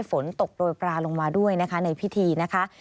ฝนตกโรยปลาลงมาด้วยนะคะในพิธีนะคะ